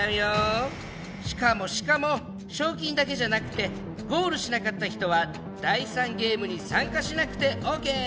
しかもしかも賞金だけじゃなくてゴールしなかった人は第３ゲームに参加しなくてオーケー！